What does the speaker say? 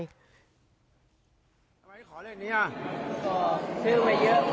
ก็ซื้อมาเยอะขอให้เทพเจ้าหัวนี้แจ้งให้ออกถึงเจ็ดด้วย